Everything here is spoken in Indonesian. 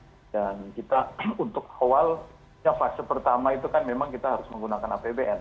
dan kita untuk awal ya fase pertama itu kan memang kita harus menggunakan apbn